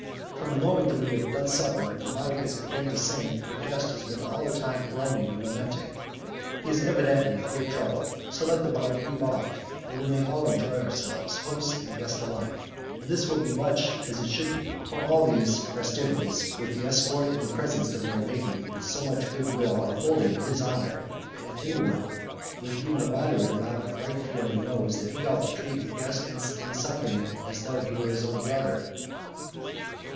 From the moment that we had done supper and Demodocus began to sing, our guest has been all the time groaning and lamenting. He is evidently in great trouble, so let the bard leave off, that we may all enjoy ourselves, hosts and guest alike. This will be much more as it should be, for all these festivities, with the escort and the presents that we are making with so much good will are wholly in his honour, and any one with even a moderate amount of right feeling knows that he ought to treat a guest and a suppliant as though he were his own brother.